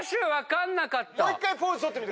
もう１回ポーズ取ってみて。